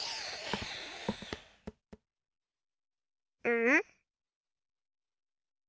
うん？